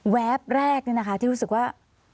แวบแรกนี่นะคะที่รู้สึกว่า